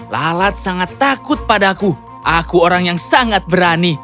lalat sangat takut padaku aku orang yang sangat berani